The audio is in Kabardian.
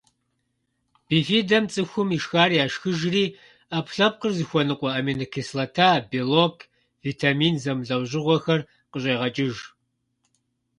Бифидэм цӏыхум ишхар яшхыжри, ӏэпкълъэпкъыр зыхуэныкъуэ аминокислота, белок, витамин зэмылӏэужьыгъуэхэр къыщӏегъэкӏыж.